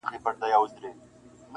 ښځي وویل بېشکه مي په زړه دي-